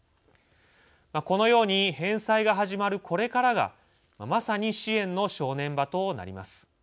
このように返済が始まるこれからがまさに支援の正念場となります。